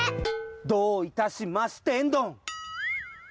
どういたしましてんどん！